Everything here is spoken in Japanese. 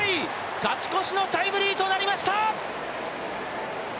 勝ち越しのタイムリーとなりました。